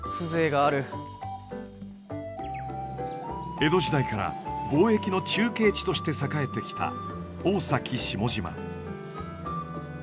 江戸時代から貿易の中継地として栄えてきた大崎下島。